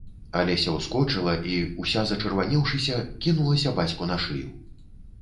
Алеся ўскочыла і, уся зачырванеўшыся, кінулася бацьку на шыю.